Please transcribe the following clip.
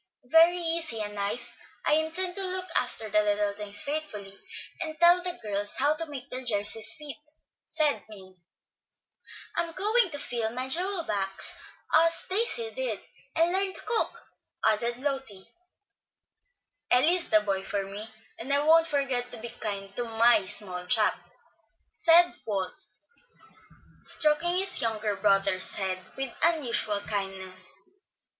"Very easy and nice. I intend to look after little things faithfully, and tell the girls how to make their jerseys fit," said Min. "I'm going to fill my jewel box as Daisy did, and learn to cook," added Lotty. "Eli is the boy for me, and I won't forget to be kind to my small chap," said Walt, stroking his younger brother's head with unusual kindness.